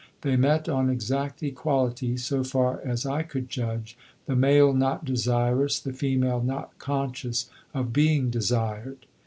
They met on exact equality so far as I could judge, the male not desirous, the female not conscious of being desired.